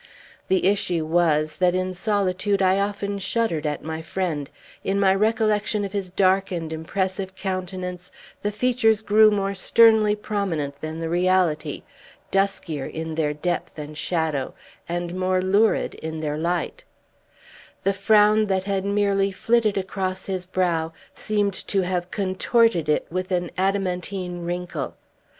The issue was, that in solitude I often shuddered at my friend. In my recollection of his dark and impressive countenance, the features grew more sternly prominent than the reality, duskier in their depth and shadow, and more lurid in their light; the frown, that had merely flitted across his brow, seemed to have contorted it with an adamantine wrinkle.